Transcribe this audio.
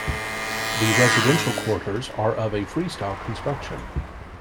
The residential quarters are of a free-style construction.